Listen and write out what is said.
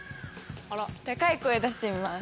高い声出してみます。